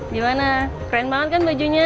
di mana keren banget kan bajunya